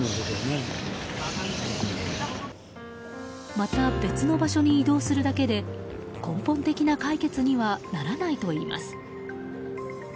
また別の場所に移動するだけで根本的な解決にはならないといいます。